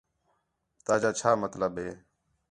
تا جا چھا مطلب ہے